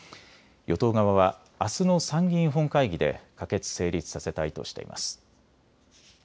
与党側はあすの参議院本会議で可決・成立させたいとしています。